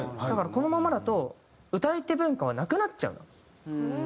だからこのままだと歌い手文化はなくなっちゃう。